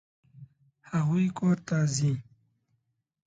هغوی کور ته ځي.